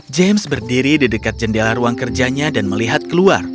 james berdiri di dekat jendela ruang kerjanya dan melihat keluar